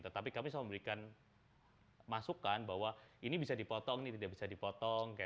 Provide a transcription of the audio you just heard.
tetapi kami selalu memberikan masukan bahwa ini bisa dipotong ini tidak bisa dipotong